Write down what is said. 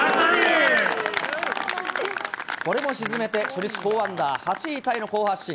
これも沈めて初日４アンダー、８位タイの好発進。